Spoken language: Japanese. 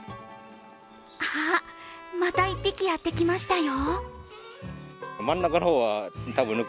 あ、また１匹やってきましたよ。